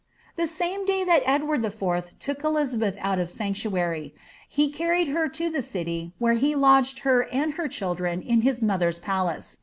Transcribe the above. The same day that Edward IV. took Elizabeth out of Sanctuary, lio carried her to the city, where he lodged her and her children in hia mother's palace.